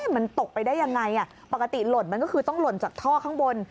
มันตกไปได้ยังไงปกติหล่นมันก็คือต้องหล่นจากท่อข้างบน